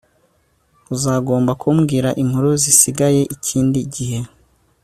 uzagomba kumbwira inkuru zisigaye ikindi gihe